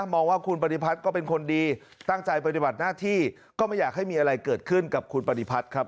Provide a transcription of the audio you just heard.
มองว่าคุณปฏิพัฒน์ก็เป็นคนดีตั้งใจปฏิบัติหน้าที่ก็ไม่อยากให้มีอะไรเกิดขึ้นกับคุณปฏิพัฒน์ครับ